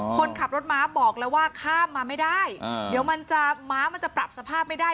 คนขับรถม้าบอกเลยว่าข้ามมาไม่ได้เดี๋ยวมันจะม้ามันจะปรับสภาพไม่ได้